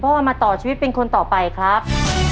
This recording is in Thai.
เอามาต่อชีวิตเป็นคนต่อไปครับ